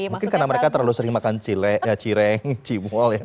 mungkin karena mereka terlalu sering makan cireng cibol ya